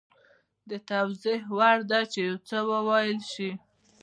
د توضیح وړ ده چې یو څه وویل شي